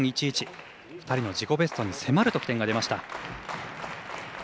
２人の自己ベストに迫る得点が出ました。